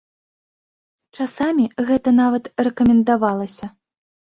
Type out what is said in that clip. Часамі гэта нават рэкамендавалася.